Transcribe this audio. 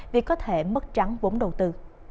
vì có thể mất trắng vốn đầu tư